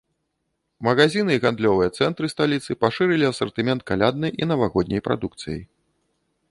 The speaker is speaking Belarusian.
Магазіны і гандлёвыя цэнтры сталіцы пашырылі асартымент каляднай і навагодняй прадукцыяй.